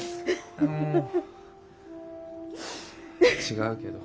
違うけど。